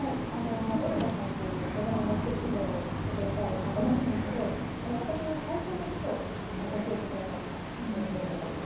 オルガさんというとても熱血指導をしてくださる方なんですが私の体操の基礎を教えてくださった先生になります。